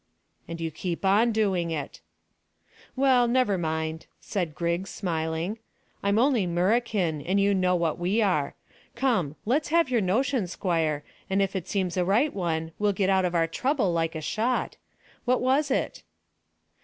"And you keep on doing it." "Well, never mind," said Griggs, smiling. "I'm only 'Murrican, and you know what we are. Come, let's have your notion, squire, and if it seems a right one we'll get out of our trouble like a shot. What was it?"